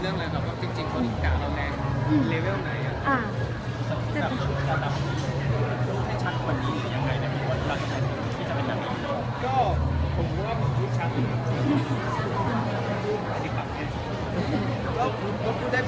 ต้องตอบตามเหมือนเดิมครับ